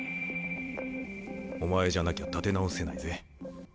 お前じゃなきゃ立て直せないぜ。